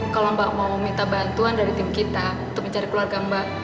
kalau mbak mau meminta bantuan dari tim kita untuk mencari keluarga mbak